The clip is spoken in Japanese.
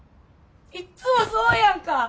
いっつもそうやんか。